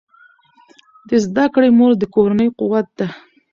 د زده کړې مور د کورنۍ قوت ده.